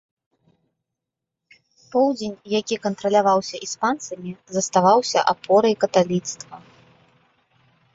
Поўдзень, які кантраляваўся іспанцамі, заставаўся апорай каталіцтва.